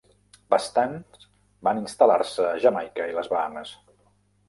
Bastants van instal·lar-se a Jamaica i les Bahames.